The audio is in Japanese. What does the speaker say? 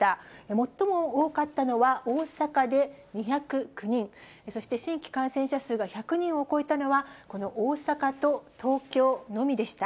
最も多かったのは大阪で２０９人、そして新規感染者数が１００人を超えたのは、この大阪と東京のみでした。